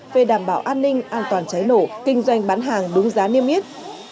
về đảm bảo an ninh an toàn cháy nổ kinh doanh bán hàng đúng giá niêm yết